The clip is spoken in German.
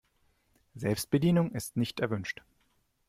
Selbstbedienung ist nicht erwünscht.